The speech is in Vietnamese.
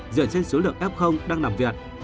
dựa trên số lượng f đang nằm viện